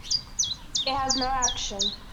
It has no action.